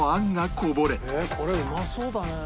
「これうまそうだね」